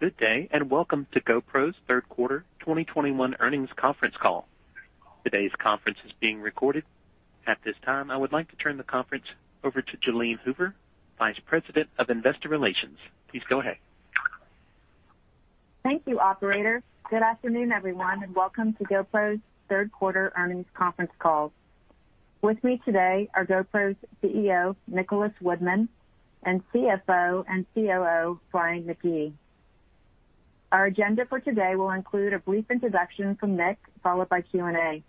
Good day, and welcome to GoPro's third quarter 2021 earnings conference call. Today's conference is being recorded. At this time, I would like to turn the conference over to Jalene Hoover, Vice President, Investor Relations. Please go ahead. Thank you, operator. Good afternoon, everyone, and welcome to GoPro's third quarter earnings conference call. With me today are GoPro's CEO, Nicholas Woodman, and CFO and COO, Brian McGee. Our agenda for today will include a brief introduction from Nicholas, followed by Q and A.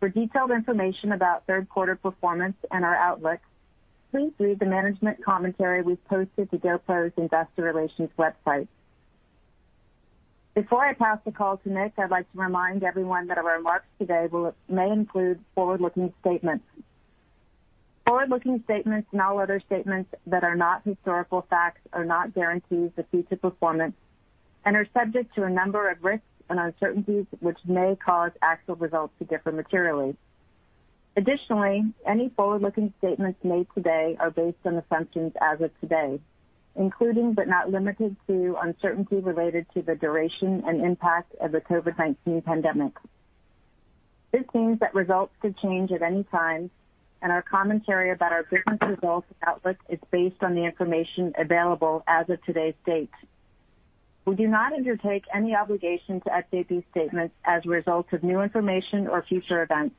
For detailed information about third quarter performance and our outlook, please read the management commentary we've posted to GoPro's investor relations website. Before I pass the call to Nicholas, I'd like to remind everyone that our remarks today may include forward-looking statements. Forward-looking statements and all other statements that are not historical facts are not guarantees of future performance and are subject to a number of risks and uncertainties which may cause actual results to differ materially. Additionally, any forward-looking statements made today are based on assumptions as of today, including, but not limited to, uncertainty related to the duration and impact of the COVID-19 pandemic. This means that results could change at any time, and our commentary about our business results outlook is based on the information available as of today's date. We do not undertake any obligation to update these statements as a result of new information or future events.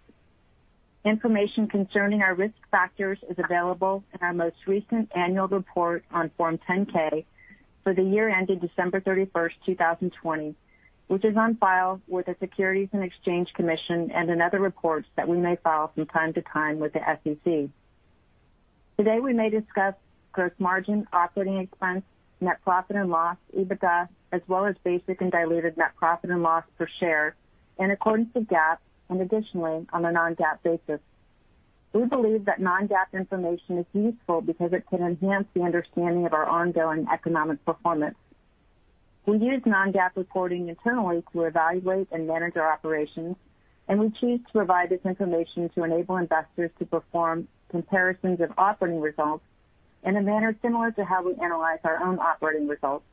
Information concerning our risk factors is available in our most recent annual report on Form 10-K for the year ending December 31st, 2020, which is on file with the Securities and Exchange Commission and in other reports that we may file from time to time with the SEC. Today, we may discuss gross margin, operating expense, net profit and loss, EBITDA, as well as basic and diluted net profit and loss per share in accordance with GAAP and additionally on a non-GAAP basis. We believe that non-GAAP information is useful because it can enhance the understanding of our ongoing economic performance. We use non-GAAP reporting internally to evaluate and manage our operations, and we choose to provide this information to enable investors to perform comparisons of operating results in a manner similar to how we analyze our own operating results.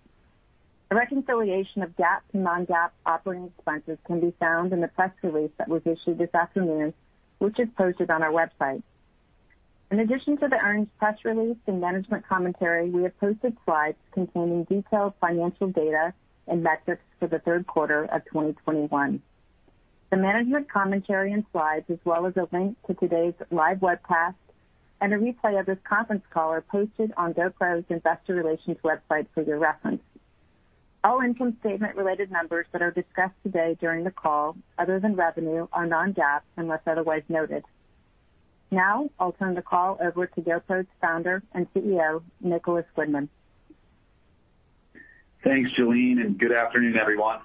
A reconciliation of GAAP to non-GAAP operating expenses can be found in the press release that was issued this afternoon, which is posted on our website. In addition to the earnings press release and management commentary, we have posted slides containing detailed financial data and metrics for the third quarter of 2021. The management commentary and slides, as well as a link to today's live webcast and a replay of this conference call, are posted on GoPro's investor relations website for your reference. All income statement related numbers that are discussed today during the call, other than revenue, are non-GAAP unless otherwise noted. Now I'll turn the call over to GoPro's founder and CEO, Nicholas Woodman. Thanks, Jalene, and good afternoon, everyone.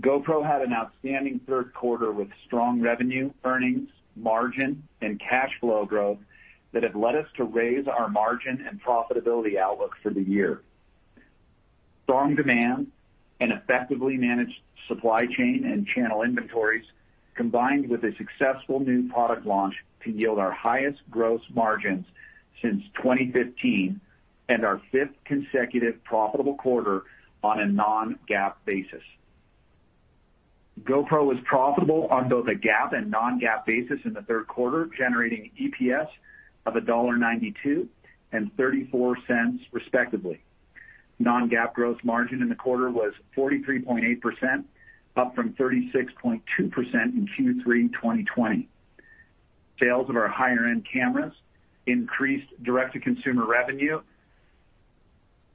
GoPro had an outstanding third quarter with strong revenue, earnings, margin, and cash flow growth that have led us to raise our margin and profitability outlook for the year. Strong demand and effectively managed supply chain and channel inventories, combined with a successful new product launch, to yield our highest gross margins since 2015 and our fifth consecutive profitable quarter on a non-GAAP basis. GoPro was profitable on both a GAAP and non-GAAP basis in the third quarter, generating EPS of $1.92 and $0.34, respectively. Non-GAAP gross margin in the quarter was 43.8%, up from 36.2% in Q3 2020. Sales of our higher-end cameras increased direct-to-consumer revenue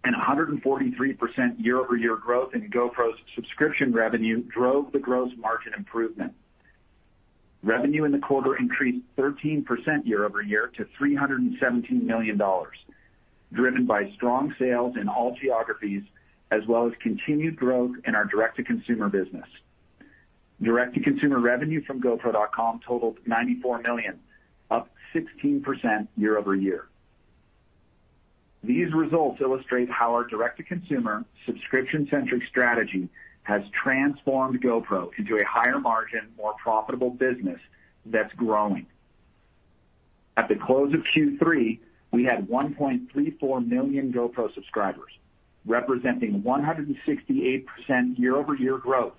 and 143% year-over-year growth in GoPro's subscription revenue drove the gross margin improvement. Revenue in the quarter increased 13% year-over-year to $317 million, driven by strong sales in all geographies, as well as continued growth in our direct-to-consumer business. Direct-to-consumer revenue from gopro.com totaled $94 million, up 16% year-over-year. These results illustrate how our direct-to-consumer subscription-centric strategy has transformed GoPro into a higher margin, more profitable business that's growing. At the close of Q3, we had 1.34 million GoPro subscribers, representing 168% year-over-year growth,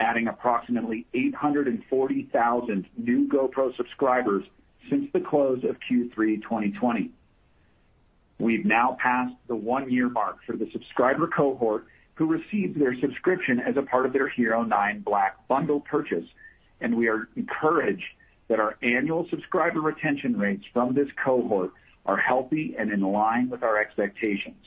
adding approximately 840,000 new GoPro subscribers since the close of Q3 2020. We've now passed the one-year mark for the subscriber cohort who received their subscription as a part of their HERO9 Black Bundle purchase, and we are encouraged that our annual subscriber retention rates from this cohort are healthy and in line with our expectations.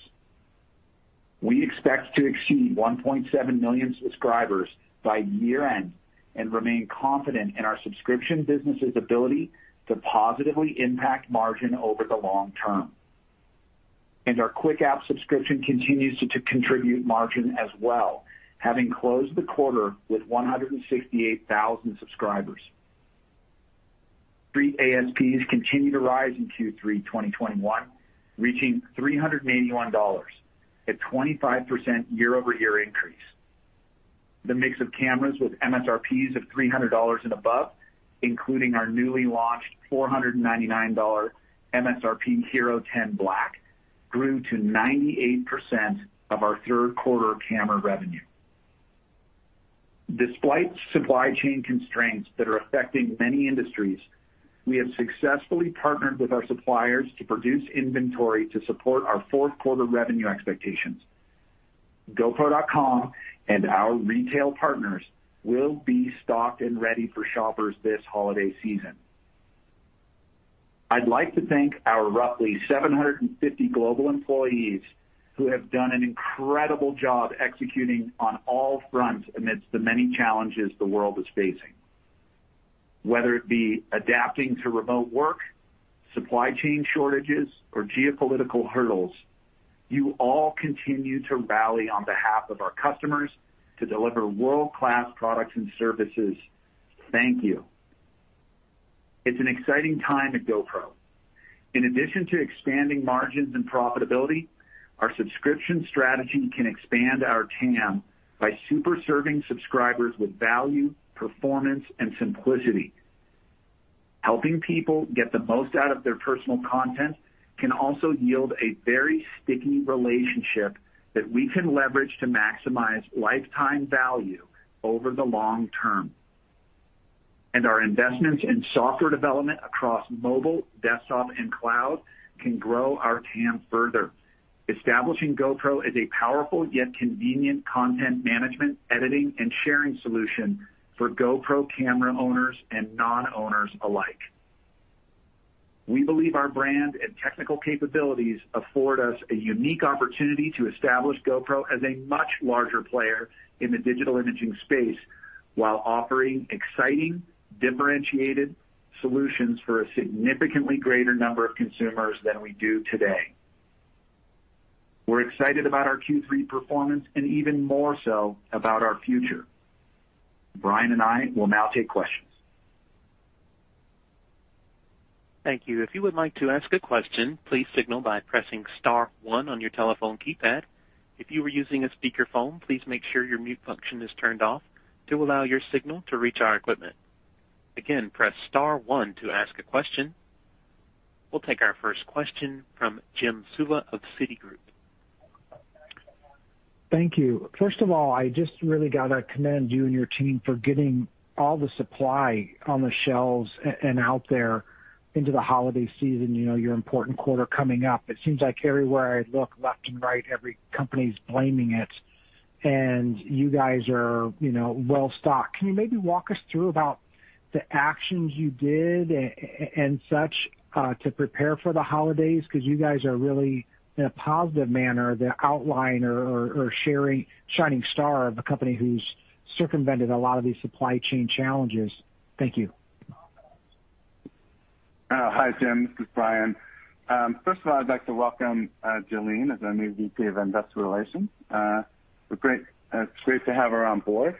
We expect to exceed 1.7 million subscribers by year-end and remain confident in our subscription business's ability to positively impact margin over the long term. Our Quik app subscription continues to contribute margin as well, having closed the quarter with 168,000 subscribers. The ASPs continued to rise in Q3 2021, reaching $381, a 25% year-over-year increase. The mix of cameras with MSRPs of $300 and above, including our newly launched $499 MSRP HERO10 Black, grew to 98% of our third quarter camera revenue. Despite supply chain constraints that are affecting many industries, we have successfully partnered with our suppliers to produce inventory to support our fourth quarter revenue expectations. gopro.com and our retail partners will be stocked and ready for shoppers this holiday season. I'd like to thank our roughly 750 global employees who have done an incredible job executing on all fronts amidst the many challenges the world is facing. Whether it be adapting to remote work, supply chain shortages, or geopolitical hurdles, you all continue to rally on behalf of our customers to deliver world-class products and services. Thank you. It's an exciting time at GoPro. In addition to expanding margins and profitability, our subscription strategy can expand our TAM by super serving subscribers with value, performance, and simplicity. Helping people get the most out of their personal content can also yield a very sticky relationship that we can leverage to maximize lifetime value over the long term. Our investments in software development across mobile, desktop, and cloud can grow our TAM further, establishing GoPro as a powerful yet convenient content management, editing, and sharing solution for GoPro camera owners and non-owners alike. We believe our brand and technical capabilities afford us a unique opportunity to establish GoPro as a much larger player in the digital imaging space, while offering exciting, differentiated solutions for a significantly greater number of consumers than we do today. We're excited about our Q3 performance and even more so about our future. Brian and I will now take questions. Thank you. If you would like to ask a question, please signal by pressing star one on your telephone keypad. If you are using a speakerphone, please make sure your mute function is turned off to allow your signal to reach our equipment. Again, press star one to ask a question. We'll take our first question from Jim Suva of Citigroup. Thank you. First of all, I just really gotta commend you and your team for getting all the supply on the shelves and out there into the holiday season, you know, your important quarter coming up. It seems like everywhere I look left and right, every company's blaming it, and you guys are, you know, well-stocked. Can you maybe walk us through about the actions you did and such to prepare for the holidays? 'Cause you guys are really in a positive manner, the outlier or sharing shining star of a company who's circumvented a lot of these supply chain challenges. Thank you. Hi, Jim. This is Brian. First of all, I'd like to welcome Jalene as our new VP of Investor Relations. It's great to have her on board.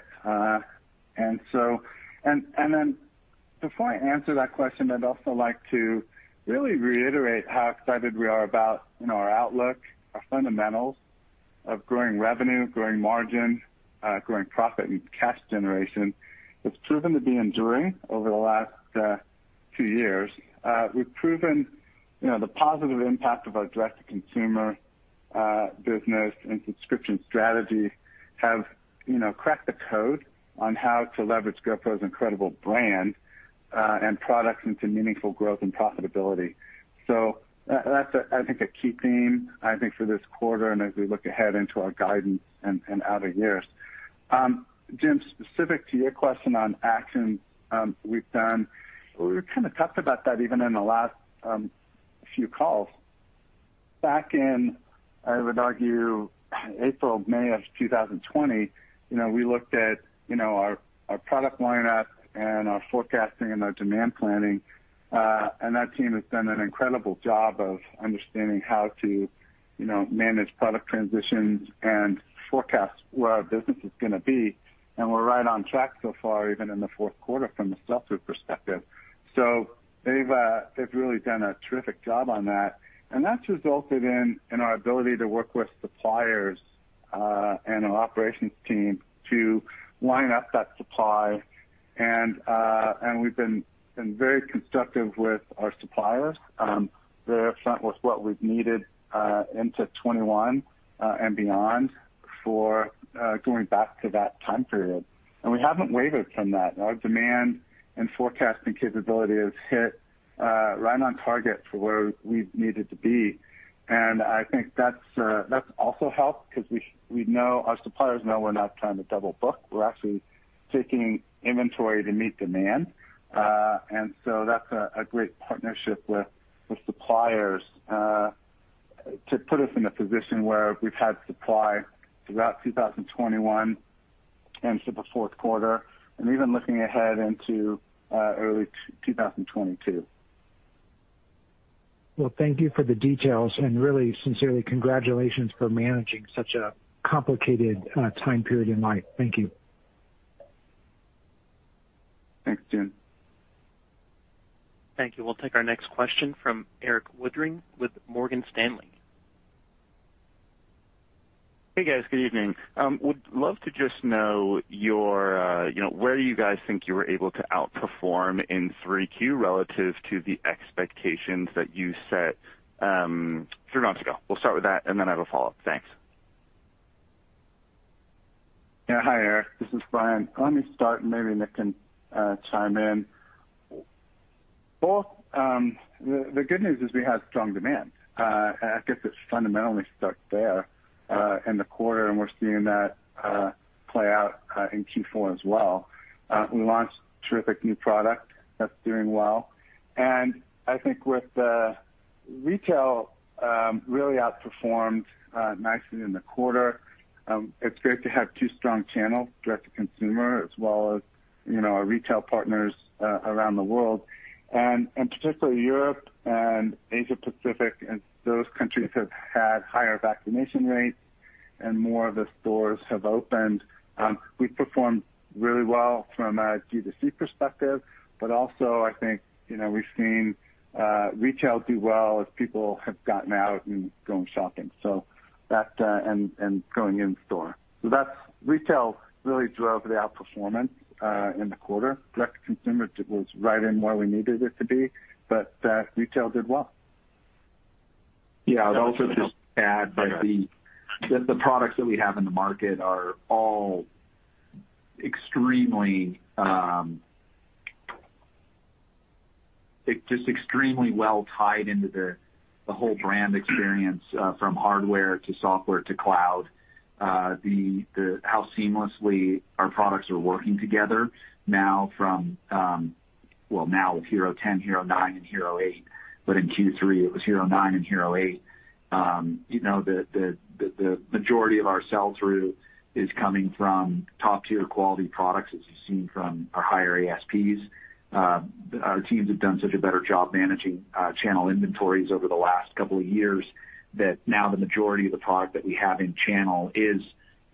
Before I answer that question, I'd also like to really reiterate how excited we are about, you know, our outlook, our fundamentals of growing revenue, growing margin, growing profit and cash generation. It's proven to be enduring over the last two years. We've proven, you know, the positive impact of our direct-to-consumer business and subscription strategy have, you know, cracked the code on how to leverage GoPro's incredible brand and products into meaningful growth and profitability. That's, I think, a key theme, I think, for this quarter and as we look ahead into our guidance and out of years. Jim, specific to your question on actions, we've done. We kind of talked about that even in the last few calls. Back in, I would argue, April, May of 2020, you know, we looked at you know, our our product lineup and our forecasting and our demand planning, and that team has done an incredible job of understanding how to you know, manage product transitions and forecast where our business is gonna be. We're right on track so far, even in the fourth quarter from a sell-through perspective. They've really done a terrific job on that. That's resulted in our ability to work with suppliers and our operations team to line up that supply. We've been very constructive with our suppliers on their front with what we've needed into 2021 and beyond for going back to that time period. We haven't wavered from that. Our demand and forecasting capability has hit right on target for where we've needed to be. I think that's also helped 'cause we know, our suppliers know we're not trying to double book. We're actually taking inventory to meet demand. That's a great partnership with suppliers to put us in a position where we've had supply throughout 2021 and through the fourth quarter, and even looking ahead into early 2022. Well, thank you for the details, and really sincerely congratulations for managing such a complicated time period in life. Thank you. Thanks, Jim. Thank you. We'll take our next question from Erik Woodring with Morgan Stanley. Hey, guys. Good evening. Would love to just know your, you know, where you guys think you were able to outperform in Q3 relative to the expectations that you set, three months ago. We'll start with that, and then I have a follow-up. Thanks. Hi, Erik, this is Brian. Let me start, and maybe Nicholas can chime in. Well, the good news is we have strong demand. I guess it's fundamentally stuck there in the quarter, and we're seeing that play out in Q4 as well. We launched terrific new product that's doing well. I think with the retail really outperformed nicely in the quarter. It's great to have two strong channels, direct-to-consumer as well as, you know, our retail partners around the world. Particularly Europe and Asia-Pacific and those countries have had higher vaccination rates and more of the stores have opened. We've performed really well from a D2C perspective, but also I think, you know, we've seen retail do well as people have gotten out and going shopping, and going in store. Retail really drove the outperformance in the quarter. Direct-to-consumer was right where we needed it to be, but retail did well. Yeah. I'd also just add that the products that we have in the market are all extremely just extremely well tied into the whole brand experience from hardware to software to cloud. How seamlessly our products are working together now from well now with HERO10, HERO9 and HERO8, but in Q3, it was HERO9 and HERO8. You know, the majority of our sell-through is coming from top-tier quality products, as you've seen from our higher ASPs. Our teams have done such a better job managing channel inventories over the last couple of years that now the majority of the product that we have in channel is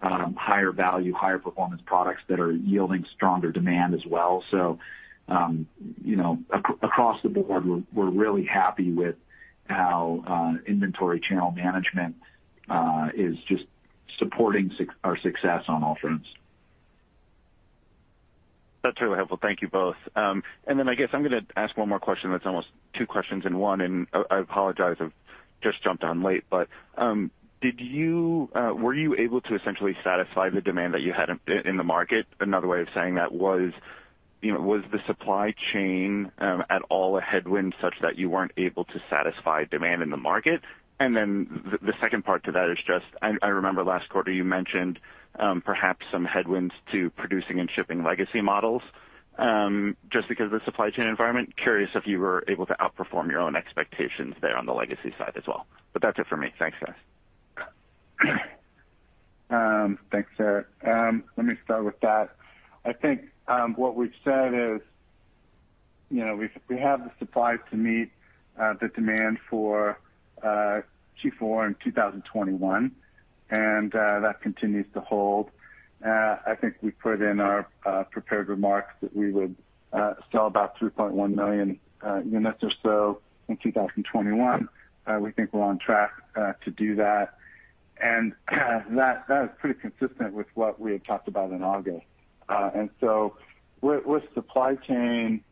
higher value, higher performance products that are yielding stronger demand as well. You know, across the board, we're really happy with how inventory channel management is just supporting our success on all fronts. That's really helpful. Thank you both. I guess I'm gonna ask one more question that's almost two questions in one, and I apologize. I've just jumped on late. Were you able to essentially satisfy the demand that you had in the market? Another way of saying that was, you know, was the supply chain at all a headwind such that you weren't able to satisfy demand in the market? The second part to that is just I remember last quarter you mentioned perhaps some headwinds to producing and shipping legacy models just because of the supply chain environment. Curious if you were able to outperform your own expectations there on the legacy side as well? That's it for me. Thanks, guys. Thanks, Erik. Let me start with that. I think what we've said is, you know, we have the supply to meet the demand for Q4 in 2021, and that continues to hold. I think we put in our prepared remarks that we would sell about 3.1 million units or so in 2021. We think we're on track to do that. That is pretty consistent with what we had talked about in August. With supply chain,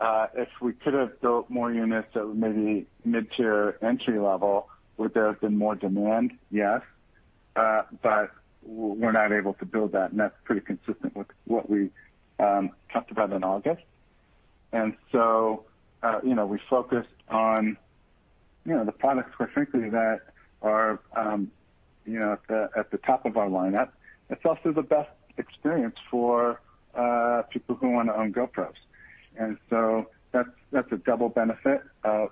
if we could have built more units that were maybe mid-tier entry level, would there have been more demand? Yes. We're not able to build that, and that's pretty consistent with what we talked about in August. We focused on the products, quite frankly, that are at the top of our lineup. It's also the best experience for people who wanna own GoPros. That's a double benefit.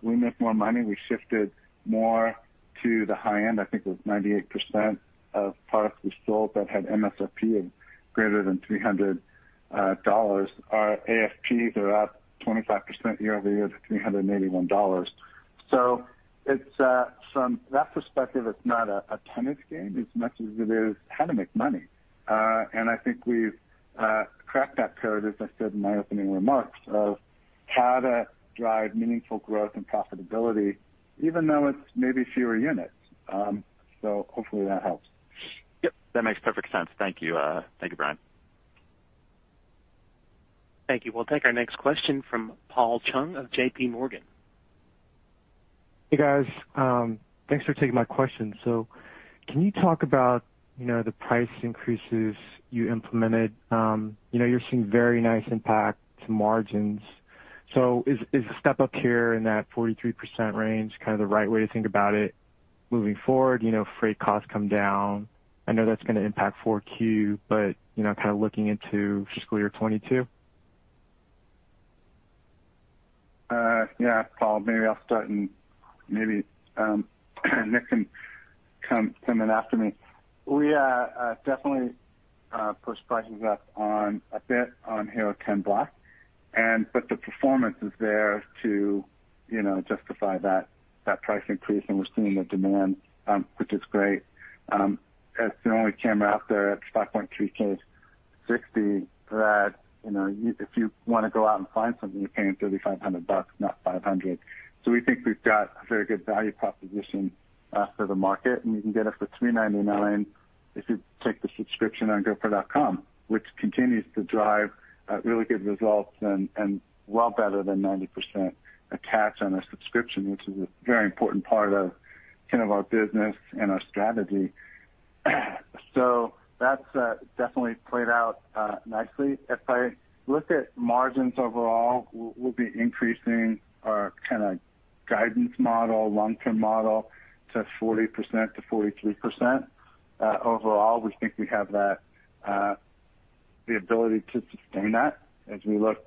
We make more money. We shifted more to the high end. I think it was 98% of products we sold that had MSRP of greater than $300. Our ASPs are up 25% year-over-year to $381. It's from that perspective, it's not a tennis game as much as it is how to make money. I think we've cracked that code, as I said in my opening remarks, of how to drive meaningful growth and profitability, even though it's maybe fewer units. Hopefully that helps. Yep. That makes perfect sense. Thank you. Thank you, Brian. Thank you. We'll take our next question from Paul Chung of JPMorgan. Hey, guys. Thanks for taking my question. Can you talk about, you know, the price increases you implemented? You know, you're seeing very nice impact to margins. Is the step-up here in that 43% range kind of the right way to think about it moving forward? You know, freight costs come down. I know that's gonna impact 4Q, but, you know, kind of looking into fiscal year 2022. Yeah. Paul, maybe I'll start, and maybe Nicholas can come in after me. We definitely pushed prices up a bit on HERO10 Black. The performance is there to, you know, justify that price increase and we're seeing the demand, which is great. As the only camera out there at 5.3K 60 that, you know, if you wanna go out and find something, you're paying $3,500 bucks, not $500. We think we've got a very good value proposition for the market, and you can get it for $399 if you take the subscription on gopro.com, which continues to drive really good results and better than 90% attach on a subscription, which is a very important part of kind of our business and our strategy. That's definitely played out nicely. If I look at margins overall, we'll be increasing our kinda guidance model, long-term model to 40%-43%. Overall, we think we have the ability to sustain that as we look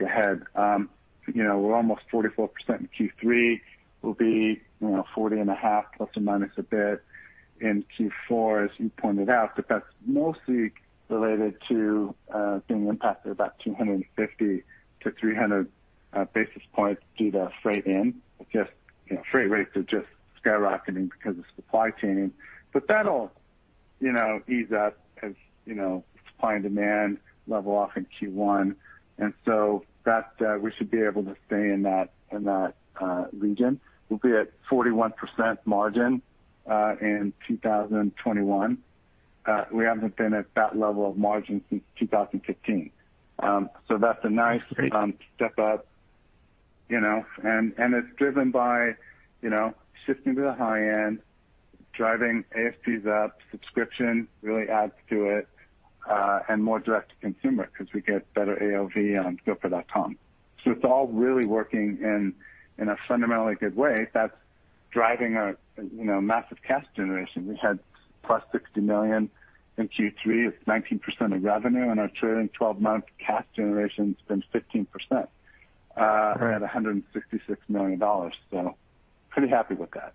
ahead. You know, we're almost 44% in Q3. We'll be, you know, 40.5% ± a bit in Q4, as you pointed out. That's mostly related to being impacted about 250-300 basis points due to freight in. Just, you know, freight rates are just skyrocketing because of supply chaining. That'll, you know, ease up as, you know, supply and demand level off in Q1. That we should be able to stay in that region. We'll be at 41% margin in 2021. We haven't been at that level of margin since 2015. That's a nice. Great. Step up, you know. It's driven by, you know, shifting to the high end, driving ASPs up, subscription really adds to it, and more direct to consumer 'cause we get better AOV on gopro.com. It's all really working in a fundamentally good way. That's driving a massive cash generation. We had +$60 million in Q3. It's 19% of revenue, and our trailing 12-month cash generation's been 15%. Right. At $166 million. Pretty happy with that.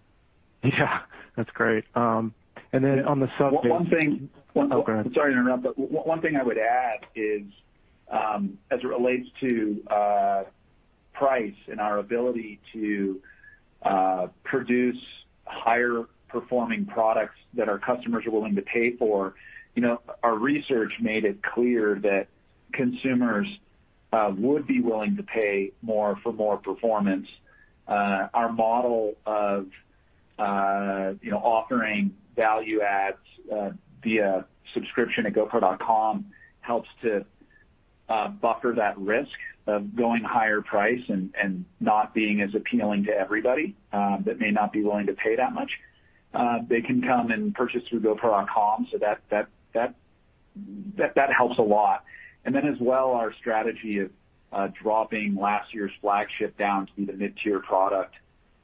Yeah. That's great. On the sub base One thing. Oh, go ahead. Sorry to interrupt, but one thing I would add is, as it relates to price and our ability to produce higher performing products that our customers are willing to pay for, you know, our research made it clear that consumers would be willing to pay more for more performance. Our model of, you know, offering value adds via subscription at gopro.com helps to buffer that risk of going higher price and not being as appealing to everybody that may not be willing to pay that much. They can come and purchase through gopro.com, so that helps a lot. As well, our strategy of dropping last year's flagship down to be the mid-tier product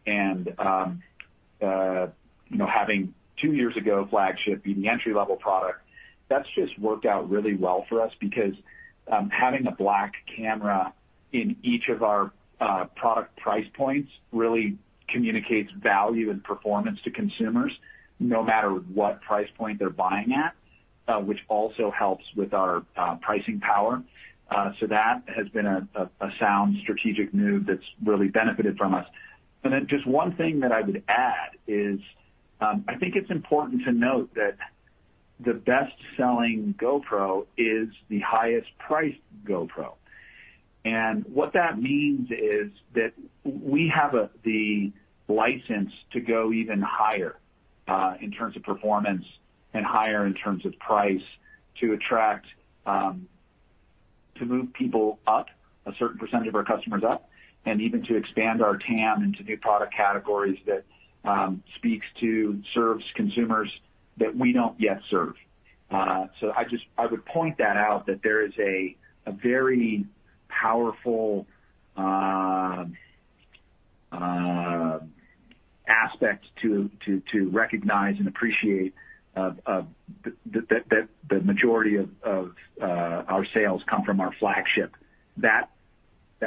and, you know, having two years ago flagship be the entry-level product, that's just worked out really well for us because having a black camera in each of our product price points really communicates value and performance to consumers no matter what price point they're buying at, which also helps with our pricing power. So that has been a sound strategic move that's really benefited from us. Just one thing that I would add is, I think it's important to note that the best-selling GoPro is the highest priced GoPro. What that means is that we have the license to go even higher in terms of performance and higher in terms of price to attract... To move people up, a certain percentage of our customers up, and even to expand our TAM into new product categories that speaks to, serves consumers that we don't yet serve. I would point that out that there is a very powerful aspect to recognize and appreciate of the that the majority of our sales come from our flagship. That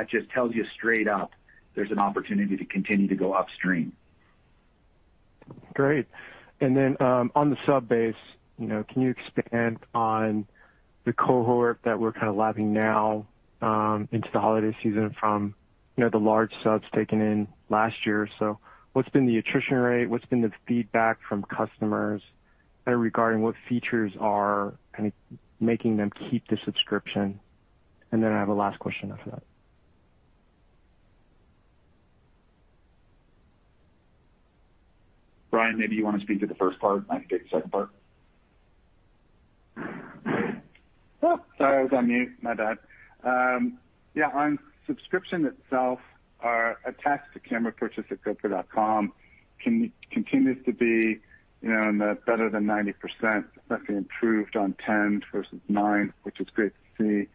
just tells you straight up there's an opportunity to continue to go upstream. Great. On the sub base, you know, can you expand on the cohort that we're kind of lapping now into the holiday season from, you know, the large subs taken in last year? So what's been the attrition rate? What's been the feedback from customers regarding what features are kind of making them keep the subscription? And then I have a last question after that. Brian, maybe you wanna speak to the first part. I can take the second part. Oh, sorry, I was on mute. My bad. Yeah, on subscription itself, our attach to camera purchase at gopro.com continues to be, you know, better than 90%. That's been improved on 10 versus nine, which is great to see.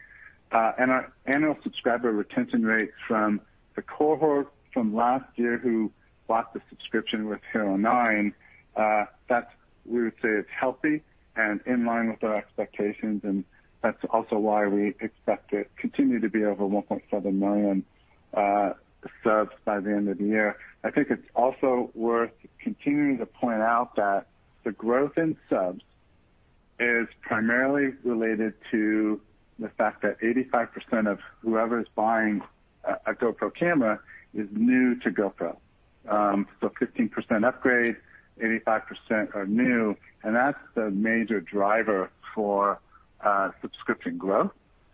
And our annual subscriber retention rate from the cohort from last year who bought the subscription was HERO9, that we would say is healthy and in line with our expectations, and that's also why we expect it continue to be over 1.7 million subs by the end of the year. I think it's also worth continuing to point out that the growth in subs is primarily related to the fact that 85% of whoever's buying a GoPro camera is new to GoPro. 15% upgrade, 85% are new, and that's the major driver for subscription growth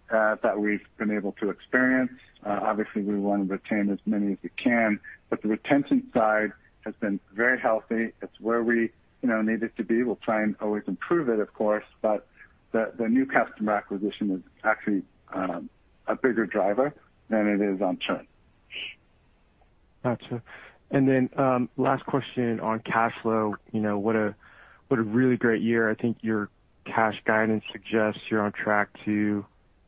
that we've been able to experience. Obviously, we wanna retain as many as we can, but the retention side has been very healthy. It's where we, you know, need it to be. We'll try and always improve it, of course, but the new customer acquisition is actually a bigger driver than it is on churn. Gotcha. Last question on cash flow. You know, what a really great year. I think your cash guidance suggests you're on track to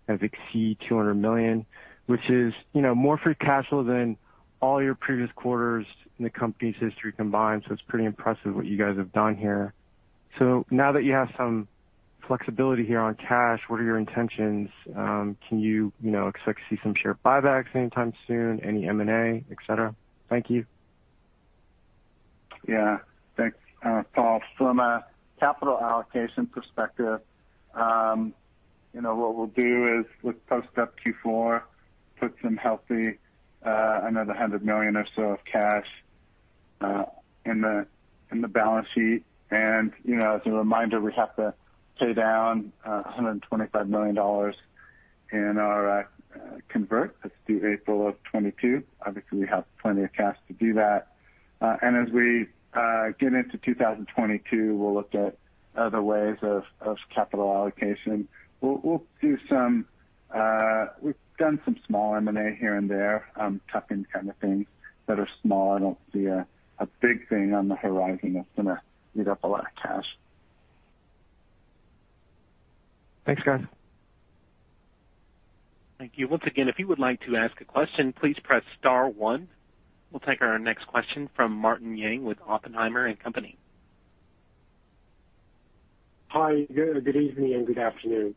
kind of exceed $200 million, which is, you know, more free cash flow than all your previous quarters in the company's history combined, it's pretty impressive what you guys have done here. Now that you have some flexibility here on cash, what are your intentions? Can you know, expect to see some share buybacks anytime soon, any M&A, et cetera? Thank you. Yeah. Thanks, Paul. From a capital allocation perspective, you know, what we'll do is with post Q4, put some healthy another $100 million or so of cash in the balance sheet. You know, as a reminder, we have to pay down $125 million in our convert that's due April of 2022. Obviously, we have plenty of cash to do that. As we get into 2022, we'll look at other ways of capital allocation. We've done some small M&A here and there, tuck-in kind of things that are small. I don't see a big thing on the horizon that's gonna eat up a lot of cash. Thanks, guys. Thank you. Once again, if you would like to ask a question, please press star one. We'll take our next question from Martin Yang with Oppenheimer & Co. Hi, good evening and good afternoon.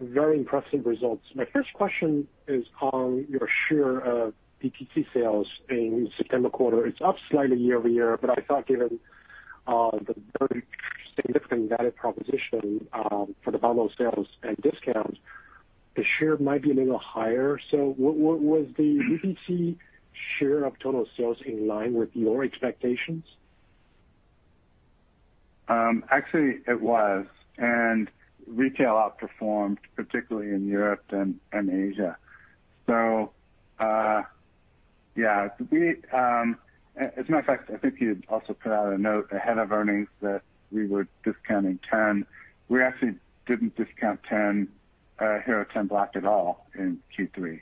Very impressive results. My first question is on your share of DTC sales in September quarter. It's up slightly year over year, but I thought given the very significant value proposition for the bundle sales and discounts, the share might be a little higher. Was the DTC share of total sales in line with your expectations? Actually, it was, and retail outperformed, particularly in Europe and Asia. As a matter of fact, I think you also put out a note ahead of earnings that we were discounting Hero10. We actually didn't discount Hero10 Black at all in Q3.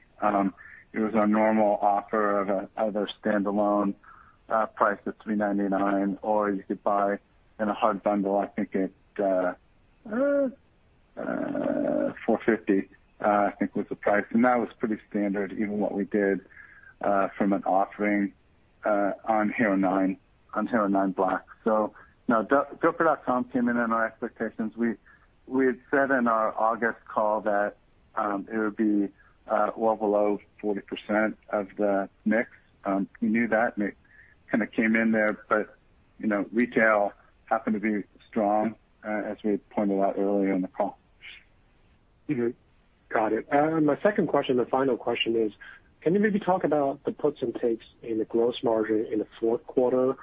It was our normal offer of a standalone price of $399, or you could buy in a HERO bundle, I think at $450, I think was the price. That was pretty standard, even what we did from an offering on HERO9 Black. No, gopro.com came in on our expectations. We had said in our August call that it would be well below 40% of the mix. We knew that, and it kinda came in there, but, you know, retail happened to be strong, as we had pointed out earlier in the call. Mm-hmm. Got it. My second question or final question is, can you maybe talk about the puts and takes in the gross margin in the fourth quarter?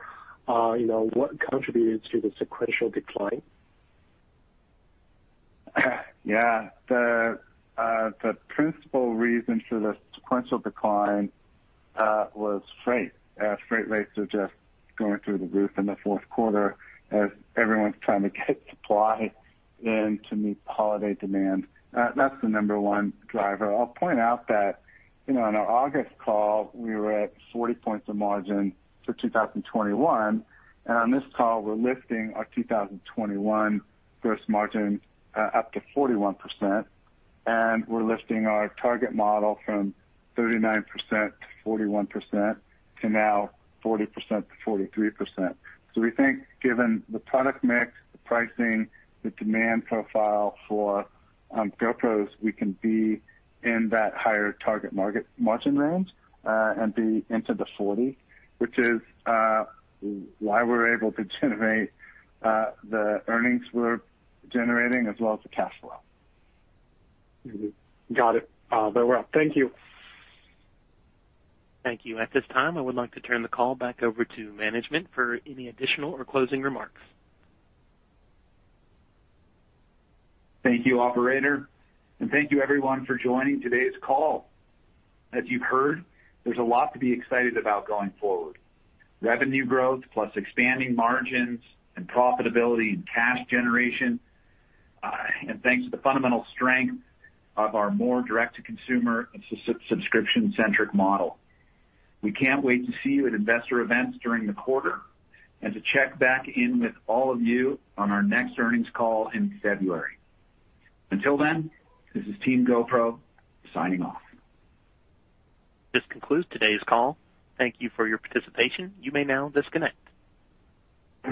You know, what contributed to the sequential decline? Yeah. The principal reason for the sequential decline was freight. Freight rates are just going through the roof in the fourth quarter as everyone's trying to get supply in to meet holiday demand. That's the number one driver. I'll point out that, you know, in our August call, we were at 40 points of margin for 2021, and on this call, we're lifting our 2021 gross margin up to 41%, and we're lifting our target model from 39% to 41% to now 40%-43%. We think given the product mix, the pricing, the demand profile for GoPros, we can be in that higher target market margin range, and be into the 40%, which is why we're able to generate the earnings we're generating as well as the cash flow. Mm-hmm. Got it. Very well. Thank you. Thank you. At this time, I would like to turn the call back over to management for any additional or closing remarks. Thank you, operator, and thank you everyone for joining today's call. As you've heard, there's a lot to be excited about going forward. Revenue growth plus expanding margins and profitability and cash generation, and thanks to the fundamental strength of our more direct-to-consumer and subscription-centric model. We can't wait to see you at investor events during the quarter and to check back in with all of you on our next earnings call in February. Until then, this is team GoPro signing off. This concludes today's call. Thank you for your participation. You may now disconnect.